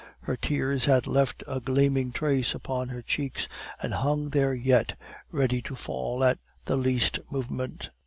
Her tears had left a gleaming trace upon her cheeks, and hung there yet, ready to fall at the least movement.